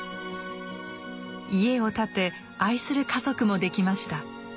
家を建て愛する家族もできました。